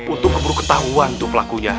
untuk pemburu ketahuan tuh pelakunya